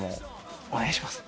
お願いします！